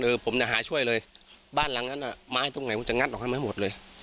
ผมจะหาช่วยเลยบ้านหลังนั้นอ่ะไม้ตรงไหนมันจะงัดออกให้ไม้หมดเลย